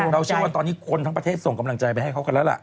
เชื่อว่าตอนนี้คนทั้งประเทศส่งกำลังใจไปให้เขากันแล้วล่ะ